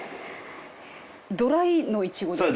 ドライのイチゴですか？